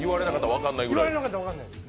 言われなかったら分からないです。